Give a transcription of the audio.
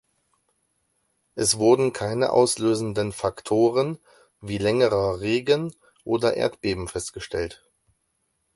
Es wurden keine auslösenden Faktoren wie längerer Regen oder Erdbeben festgestellt.